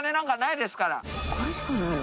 これしかないの？